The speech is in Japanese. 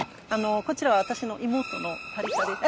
こちらは私の妹のタリータです